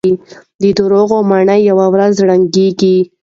د دروغو ماڼۍ يوه ورځ ړنګېږي.